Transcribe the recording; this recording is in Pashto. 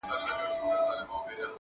د آسمان له تشه لاسه پرېوتلې پیمانه یم؛